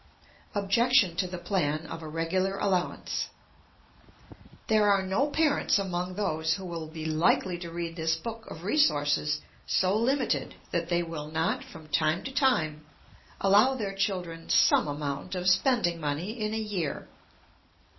Objection to the Plan of a regular Allowance. There are no parents among those who will be likely to read this book of resources so limited that they will not, from time to time, allow their children some amount of spending money in a year.